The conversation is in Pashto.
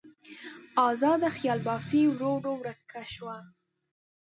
ازاده خیال بافي ورو ورو ورکه شوه.